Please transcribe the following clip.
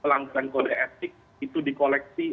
pelanggaran kode etik itu dikoleksi